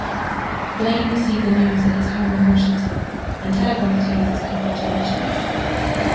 Blaine received the news at his home in Washington and telegraphed Hayes his congratulations.